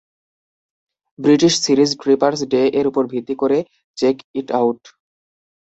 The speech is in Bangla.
ব্রিটিশ সিরিজ "ট্রিপারস ডে" এর উপর ভিত্তি করে, "চেক ইট আউট!